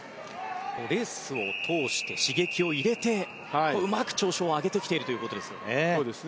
レースを通して刺激を入れてうまく調子を上げてきているということですね。